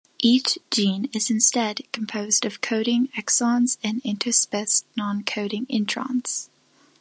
Each gene is instead composed of coding exons and interspersed non-coding introns.